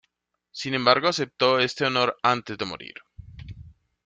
Sin embargo, aceptó este honor antes de morir.